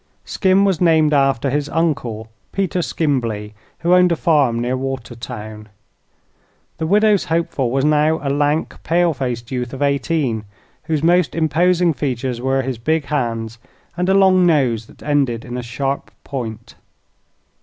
Skim was named after his uncle, Peter Skimbley, who owned a farm near Watertown. The widow's hopeful was now a lank, pale faced youth of eighteen, whose most imposing features were his big hands and a long nose that ended in a sharp point.